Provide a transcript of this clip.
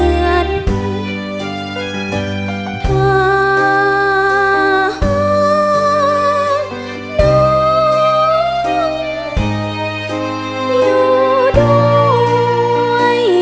ถ้าน้องอยู่ด้วย